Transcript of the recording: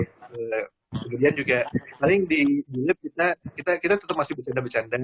kemudian juga paling di lab kita kita masih tetap bercanda bercanda